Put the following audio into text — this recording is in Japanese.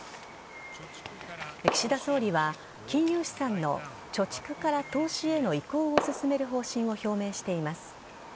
岸田総理は金融資産の貯蓄から投資への移行を進める方針を表明しています。